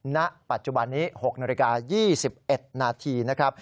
ณปัจจุบันนี้๖นาฬิกา๒๑นาทีนะครับ